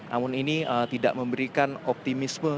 namun ini tidak memberikan optimisme